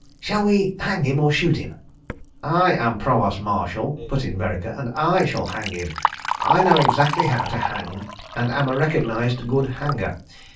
... Shall we hang him or shoot him? ..." "I am Provost Marshal," put in Vereker, "and I shall hang him. I know exactly how to hang, and am a recognised good hanger.